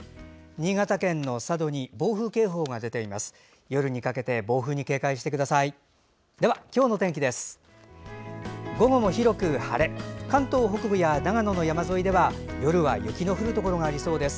新潟県の佐渡に暴風警報が出ています。